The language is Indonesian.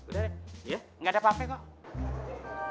udah iya nggak ada apa apa kok